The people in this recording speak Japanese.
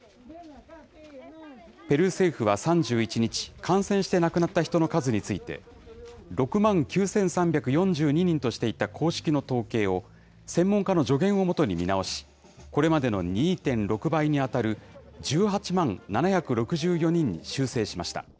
ペルー政府は３１日、感染して亡くなった人の数について、６万９３４２人としていた公式の統計を、専門家の助言を基に見直し、これまでの２．６倍に当たる１８万７６４人に修正しました。